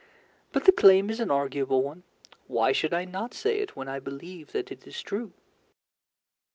But the claim is an arguable one. Why should I not say it when I believe that it is true?